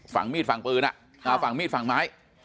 ฝั่งมีดฝั่งปืนฝั่งมีดฝั่งไม้